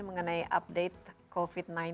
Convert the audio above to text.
mengenai update covid sembilan belas